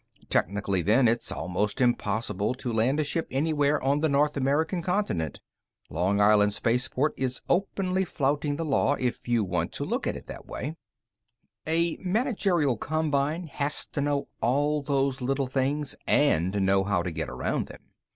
Technically, then, it's almost impossible to land a ship anywhere on the North American continent. Long Island Spaceport is openly flouting the law, if you want to look at it that way. A managerial combine has to know all those little things and know how to get around them.